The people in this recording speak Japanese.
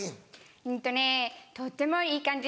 うんとねとってもいい感じ